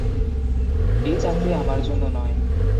এই চাকরি আমার জন্য নয়।